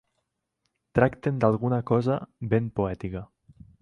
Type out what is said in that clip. Tracten d'alguna cosa ben poètica.